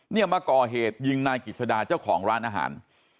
เนี่ยมาก่อเหตุยิงนายกิจสดาเจ้าของร้านอาหาร